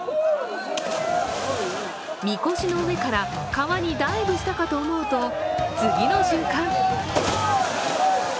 みこしの上から川にダイブしたかと思うと次の瞬間